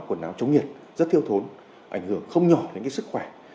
chống nhiệt rất thiêu thốn ảnh hưởng không nhỏ đến sức khỏe